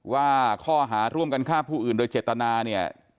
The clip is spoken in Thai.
ว่าข้อหาร่วมกันฆ่าผู้อื่นโดยเจตนาเนี่ย